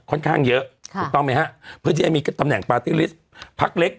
ค่อนข้างเยอะถูกต้องไหมฮะเพื่อที่จะมีตำแหน่งปาร์ตี้ลิสต์พักเล็ก